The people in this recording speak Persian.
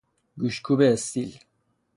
گوشت کوب استیل